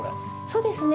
そうですね。